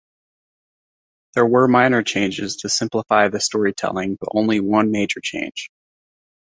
There were minor changes to simplify the storytelling, but only one major change.